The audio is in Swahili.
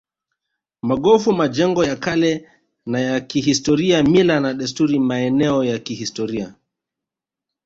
Magofu majengo ya kale na ya kihistoria mila na desturi maeneo ya kihistoria